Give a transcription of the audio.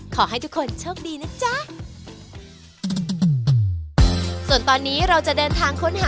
ขอให้ทุกคนโชคดีนะจ๊ะ